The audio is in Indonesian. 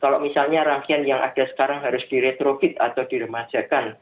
kalau misalnya rangkaian yang ada sekarang harus diretrofit atau diremajakan